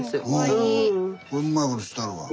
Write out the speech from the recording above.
うまいことしてはるわ。